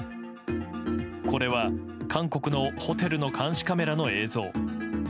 これは、韓国のホテルの監視カメラの映像。